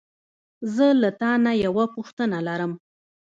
زه له تا نه یوه پوښتنه لرم.